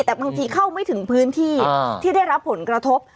แต่บางทีเข้าไม่ถึงพื้นที่ที่ได้รับผลกระทบ